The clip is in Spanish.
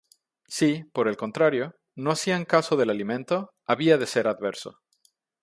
Si, por el contrario, no hacían caso del alimento, había de ser adverso.